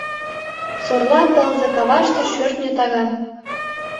Сорла тылзе каваште — шӧртньӧ таган.